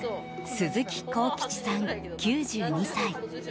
鈴木庚吉さん、９２歳。